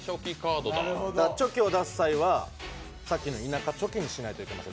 チョキを出す際はさっきの田舎チョキにしなきゃいけない。